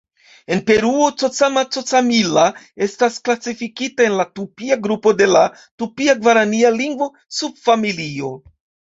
En Peruo, "Cocama-Cocamilla" estas klasifikita en la Tupia grupo de la Tupia-Gvarania lingvo-subfamilio.